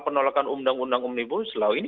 penolakan undang undang omnibus law ini